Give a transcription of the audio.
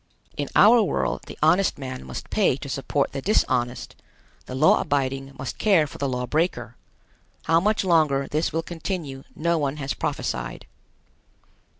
In our world the honest man must pay to support the dishonest; the law abiding must care for the law breaker. How much longer this will continue no one has prophesied.